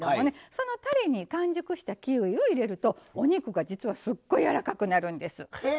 そのたれに完熟したキウイを入れるとお肉が実はすっごくやわらかくなるんです。